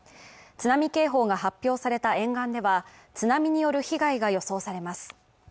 津波警報が発表された沿岸では、津波による被害が予想されます。